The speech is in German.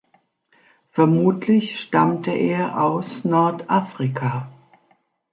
Vermutlich stammte er aus Nordafrika.